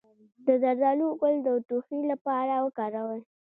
د زردالو ګل د ټوخي لپاره وکاروئ